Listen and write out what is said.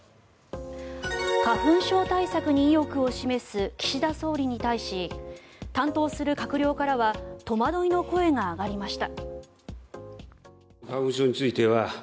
花粉症対策に意欲を示す岸田総理に対し担当する閣僚からは戸惑いの声が上がりました。